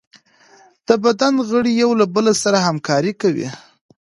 د بدن غړي یو له بل سره همکاري کوي.